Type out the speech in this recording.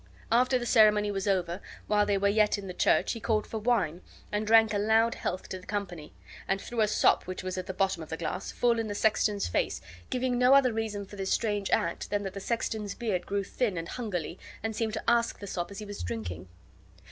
After the ceremony was over, while they were yet in the church, he called for wine, and drank a loud health to the company, and threw a sop which was at the bottom of the glass full in the sexton's face, giving no other reason for this strange act than that the sexton's beard grew thin and hungerly, and seemed to ask the sop as he was drinking.